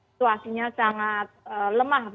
situasinya sangat lemah